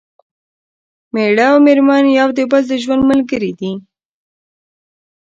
مېړه او مېرمن یو د بل د ژوند ملګري دي